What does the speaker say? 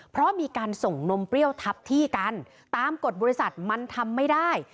เพราะมีการส่งนมเปรี้ยวทับที่กันตามกฎบริษัทมันทำไม่ได้